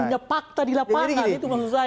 punya fakta di lapangan itu maksud saya